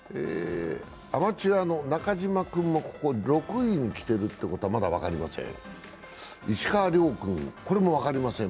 アマチュアの中島君も６位にきてるってことはまだ分かりません。